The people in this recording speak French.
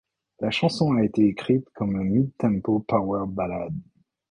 La chanson a été décrit comme un mid-tempo power ballad.